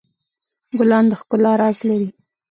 ګلان د ښکلا راز لري.